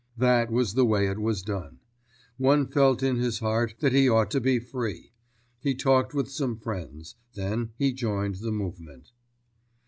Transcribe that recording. That was the way it was done. One felt in his heart that he ought to be free. He talked with some friends. Then he joined the movement.